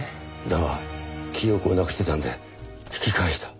だが記憶をなくしてたんで引き返した。